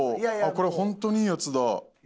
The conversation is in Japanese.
これ本当にいいやつだ。